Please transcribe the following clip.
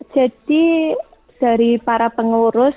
jadi dari para pengurus